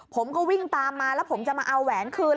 ผมก็วิ่งตามมาแล้วผมจะมาเอาแหวนคืน